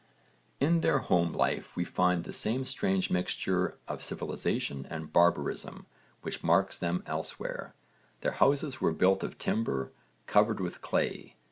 In their home life we find the same strange mixture of civilisation and barbarism which marks them elsewhere. Their houses were built of timber, covered with clay.